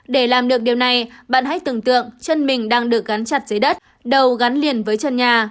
để làm được điều này bạn hãy tưởng tượng chân mình đang được gắn chặt dưới đất đầu gắn liền với chân nhà